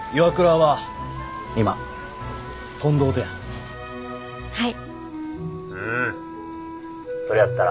はい。